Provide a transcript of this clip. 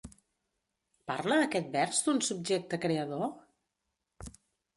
Parla aquest vers d'un subjecte creador?